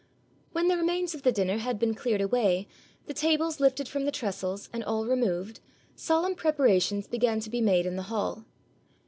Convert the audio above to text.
When the remains of the dinner had been cleared away, the tables lifted from the trestles, and all removed, solemn preparations began to be made in the hall.